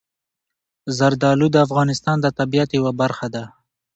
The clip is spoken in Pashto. زردالو د افغانستان د طبیعت یوه برخه ده.